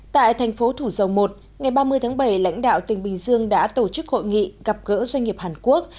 tại thành phố thủ dầu một ngày ba mươi tháng bảy lãnh đạo tỉnh bình dương đã tổ chức hội nghị gặp gỡ doanh nghiệp hàn quốc